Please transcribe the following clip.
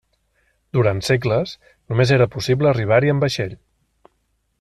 Durant segles, només era possible arribar-hi amb vaixell.